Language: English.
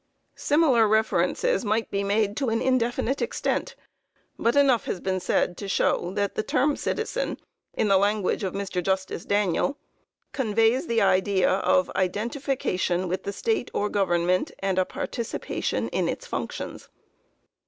Similar references might be made to an indefinite extent, but enough has been said to show that the term citizen, in the language of Mr. Justice Daniel, conveys the idea "of identification with the state or government, and a participation in its functions."